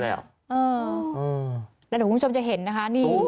แล้วเดี๋ยวคุณผู้ชมจะเห็นนะคะ